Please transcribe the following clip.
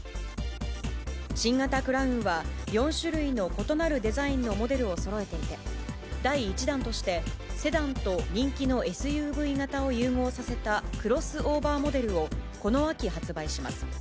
新型クラウンは、４種類の異なるデザインのモデルをそろえていて、第１弾として、セダンと人気のＳＵＶ型を融合させたクロスオーバーモデルを、この秋発売します。